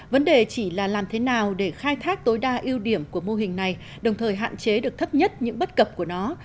vấn đề chỉ là làm thế nào để khai thác tối đa ưu điểm của mô hình này đồng thời hạn chế được thấp nhất những bất cập của nó